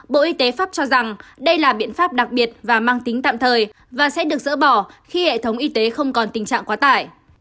bộ y tế pháp cho rằng đây là biện pháp đặc biệt và mang tính tạm thời và sẽ được dỡ bỏ khi hệ thống y tế không còn tình trạng quá tải